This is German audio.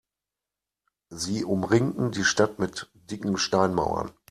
Sie umringten die Stadt mit dicken Steinmauern.